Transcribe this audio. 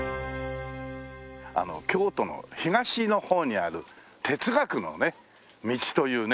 京都の東の方にある哲学の道というね。